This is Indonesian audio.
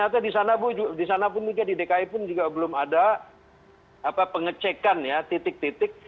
ternyata di sana bu di sana pun juga di dki pun juga belum ada pengecekan ya titik titik